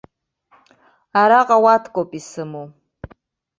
Араҟа уаткоуп исымоу.